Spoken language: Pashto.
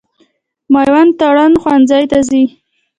مېوند تارڼ ښوونځي ته ځي.